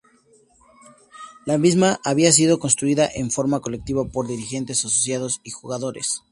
La misma había sido construida en forma colectiva por dirigentes, asociados y jugadores.